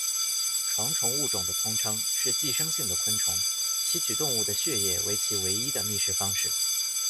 床虫物种的通称，是寄生性的昆虫，吸取动物的血液为其唯一的觅食方式。